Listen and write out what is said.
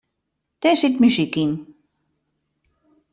Dêr sit muzyk yn.